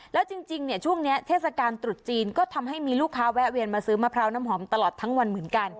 แล้วจริงเนี่ยช่วงนี้เทศกาลตรุษจีนก็ทำให้มีลูกค้าแวะเวียนมาซื้อมะพร้าวน้ำหอมตลอดทั้งวันเหมือนกัน